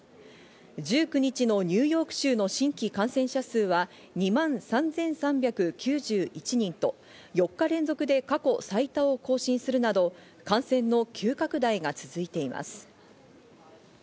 １９日のニューヨーク州の新規感染者数は２万３３９１人と、４日連続で過去最多を更新するなど感染の急拡大が続いています。